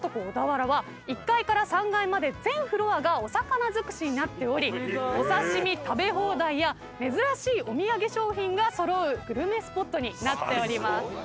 小田原は１階から３階まで全フロアがお魚尽くしになっておりお刺身食べ放題や珍しいお土産商品が揃うグルメスポットになっております。